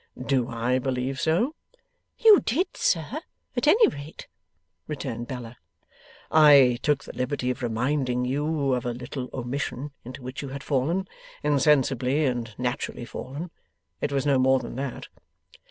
'Do I believe so?' 'You DID, sir, at any rate,' returned Bella. 'I took the liberty of reminding you of a little omission into which you had fallen insensibly and naturally fallen. It was no more than that.